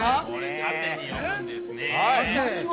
◆縦に読むんですね。